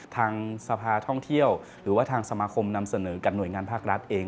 ทางสภาท่องเที่ยวหรือว่าทางสมาคมนำเสนอกับหน่วยงานภาครัฐเอง